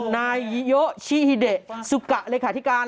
นายยิโยชิฮิเดะซุกะเลขาธิการ